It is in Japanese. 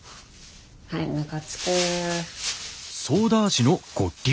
はいむかつく。